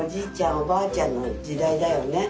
おばあちゃんのじだいだよね。